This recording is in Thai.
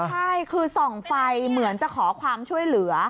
ใช่คือส่องไฟเหมือนจะขอความช่วยเหลือ